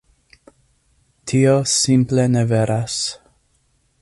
Tio simple ne veras.